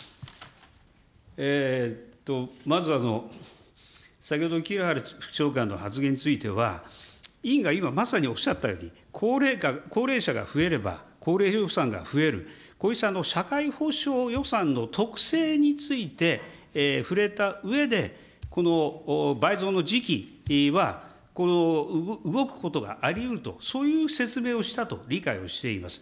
まずあの、先ほど木原副長官の発言については、委員が今まさにおっしゃったように、高齢者が増えれば、高齢予算が増える、こうした社会保障予算の特性について触れたうえで、この倍増の時期はこの動くことがありうると、そういう説明をしたと理解をしています。